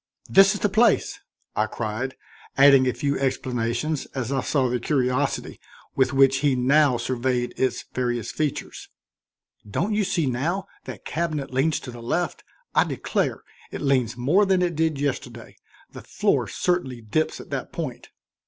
"This is the place," I cried, adding a few explanations as I saw the curiosity with which he now surveyed its various features. "Don't you see now that cabinet leans to the left? I declare it leans more than it did yesterday; the floor certainly dips at that point."